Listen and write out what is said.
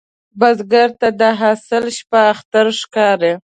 بزګر ته د حاصل شپه اختر ښکاري